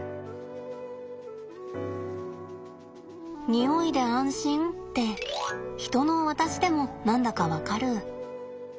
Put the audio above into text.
匂いで安心ってヒトの私でも何だか分かる。